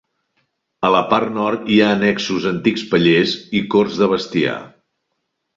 A la part nord hi ha annexos antics pallers i corts de bestiar.